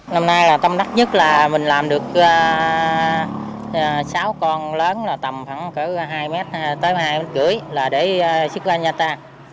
năm nay là tâm đắc nhất là mình làm được sáu con lớn là tầm khoảng hai mét tới hai năm là để xuất ra nhà ta